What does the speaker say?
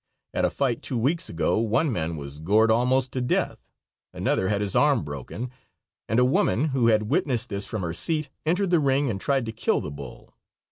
At a fight two weeks ago one man was gored almost to death, another had his arm broken, and a woman, who had witnessed this from her seat, entered the ring and tried to kill the bull.